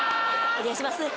お願いします！